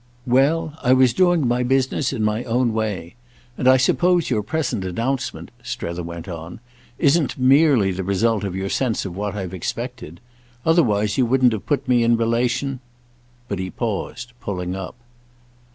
"Well, I was doing my business in my own way. And I suppose your present announcement," Strether went on, "isn't merely the result of your sense of what I've expected. Otherwise you wouldn't have put me in relation—" But he paused, pulling up.